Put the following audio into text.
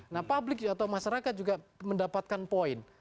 nah public atau masyarakat juga mendapatkan point